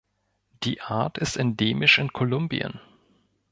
Die Art ist endemisch in Kolumbien.